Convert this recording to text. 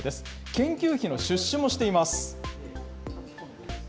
研究費の出資もしています。